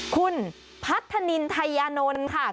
คุณพัฒนินไทยยานนท์ค่ะ